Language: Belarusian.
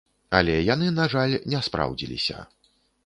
Але яны, на жаль, не спраўдзіліся.